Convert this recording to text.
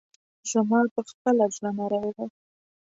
زما پخپله زړه نری دی.